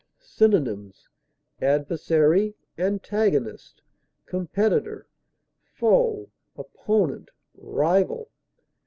Synonyms: adversary, antagonist, competitor, foe, opponent, rival.